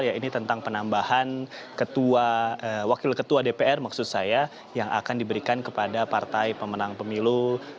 ya ini tentang penambahan wakil ketua dpr maksud saya yang akan diberikan kepada partai pemenang pemilu dua ribu dua puluh